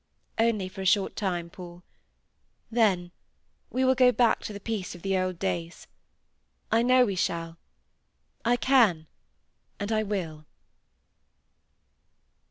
"Only for a short time, Paul. Then—we will go back to the peace of the old days. I know we shall; I can, and I will!"